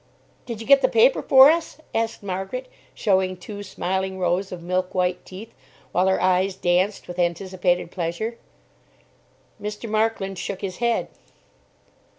"Did you get the paper for us?" asked Margaret, showing two smiling rows of milk white teeth, while her eyes danced with anticipated pleasure. Mr. Markland shook his head.